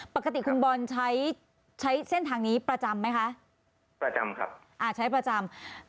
ปกติคุณบอลใช้ใช้เส้นทางนี้ประจำไหมคะประจำครับอ่าใช้ประจำ